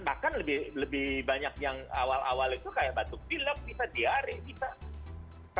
bahkan lebih banyak yang awal awal itu kayak batuk pilek bisa diare bisa